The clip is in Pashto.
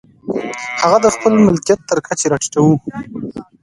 هغه د خپل ملکیت تر کچې را ټیټوو.